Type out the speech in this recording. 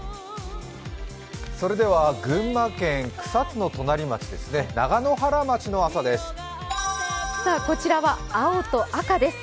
それでは群馬県草津の隣町ですね長野原町の朝です。